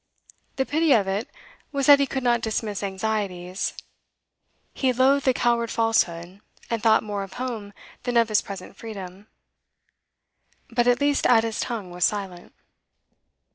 The pity of it was that he could not dismiss anxieties; he loathed the coward falsehood, and thought more of home than of his present freedom. But at least Ada's tongue was silent.